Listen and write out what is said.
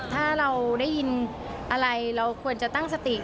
ถ้าเราได้ยินอะไรเราควรจะตั้งสติ